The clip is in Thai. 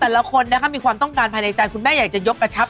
แต่ละคนนะคะมีความต้องการภายในใจคุณแม่อยากจะยกกระชับ